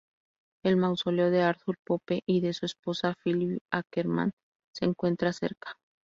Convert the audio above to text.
El mausoleo de Arthur Pope y de su esposa Phyllis Ackerman se encuentra cerca.